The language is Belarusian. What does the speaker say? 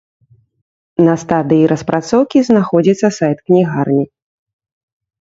На стадыі распрацоўкі знаходзіцца сайт кнігарні.